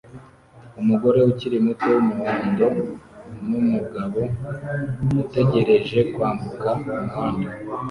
Umugore ukiri muto wumuhondo numugabo utegereje kwambuka umuhanda